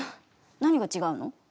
何が違うの？